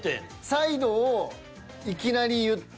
「サイドをいきなり言って」